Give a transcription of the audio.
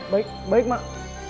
baik baik mak